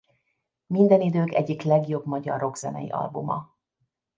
Minden idők egyik legjobb magyar rockzenei albuma.